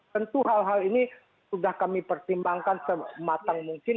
tentu hal hal ini sudah kami pertimbangkan sematang mungkin